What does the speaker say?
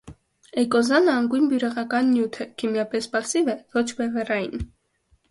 Էյկոզանը անգույն բյուրեղական նյութ է (ն.պ.), քիմիապես պասիվ է, ոչ բևեռային։